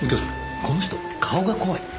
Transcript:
この人顔が怖い。